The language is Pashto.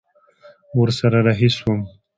ورسره رهي سوم.